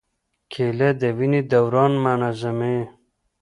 کېله د وینې دوران منظموي.